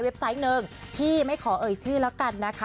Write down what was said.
ไซต์หนึ่งที่ไม่ขอเอ่ยชื่อแล้วกันนะคะ